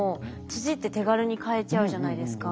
土って手軽に買えちゃうじゃないですか。